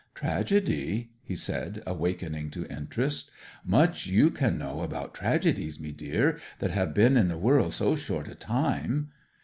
'Tragedy?' he said, awakening to interest. 'Much you can know about tragedies, mee deer, that have been in the world so short a time!'